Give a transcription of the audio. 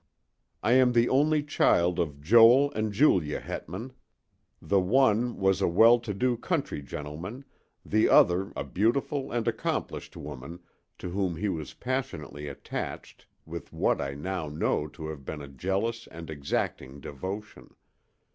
I am the only child of Joel and Julia Hetman. The one was a well to do country gentleman, the other a beautiful and accomplished woman to whom he was passionately attached with what I now know to have been a jealous and exacting devotion.